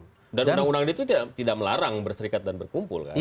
undang undang itu tidak melarang berserikat dan berkumpul kan